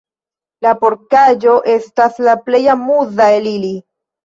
La porkaĵo estas la plej amuza el ili.